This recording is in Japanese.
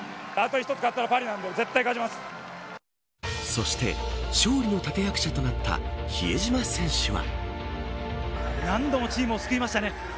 そして勝利の立役者となった比江島選手は。